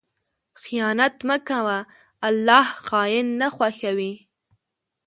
خیانت مه کوه، الله خائن نه خوښوي.